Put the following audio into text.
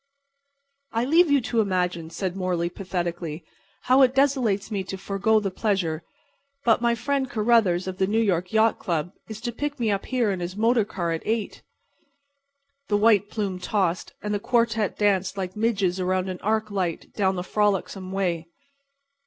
"I leave you to imagine," said Morley, pathetically, "how it desolates me to forego the pleasure. But my friend Carruthers, of the New York Yacht Club, is to pick me up here in his motor car at 8." The white plume tossed, and the quartet danced like midges around an arc light down the frolicsome way.